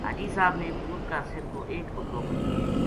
حاجی صاحب نے پُوت کا سر کو ایک بکرو مَنیو